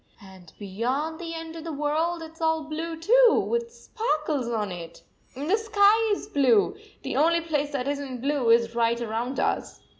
"And beyond the end of the world, it s all blue too, with sparkles on it ! And the sky is blue. The only place that is n t blue is right around us."